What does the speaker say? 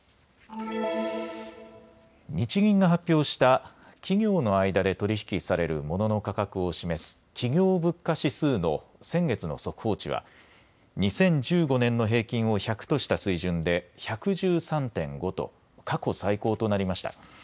日銀が発表した企業の間で取り引きされるモノの価格を示す企業物価指数の先月の速報値は２０１５年の平均を１００とした水準で１１３．５と過去最高となりました。